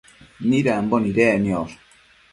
midambo nidec niosh ?